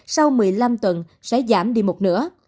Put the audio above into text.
sau một mươi năm tuần sẽ giảm đi một nửa